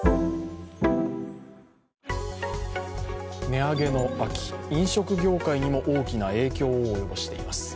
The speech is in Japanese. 値上げの秋、飲食業界にも大きな影響を及ぼしています。